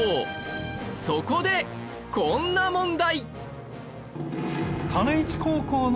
そこでこんな問題